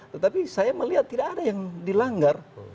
tetapi saya melihat tidak ada yang dilanggar